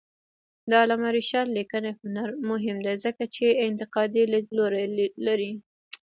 د علامه رشاد لیکنی هنر مهم دی ځکه چې انتقادي لیدلوری لري.